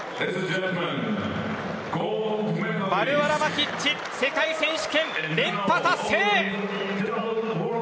バルバラ・マティッチ世界選手権連覇達成。